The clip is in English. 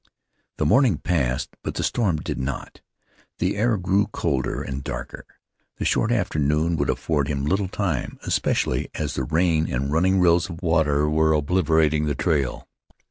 The morning passed but the storm did not; the air grew colder and darker. The short afternoon would afford him little time, especially as the rain and running rills of water were obliterating the trail.